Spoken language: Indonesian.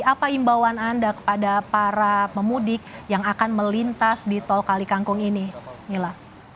apa imbauan anda kepada para pemudik yang akan melintas di tol kalikangkung ini mila